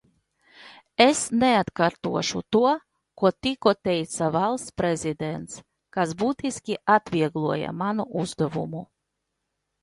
Es neatkārtošu to, ko tikko teica Valsts prezidents, kas būtiski atviegloja manu uzdevumu.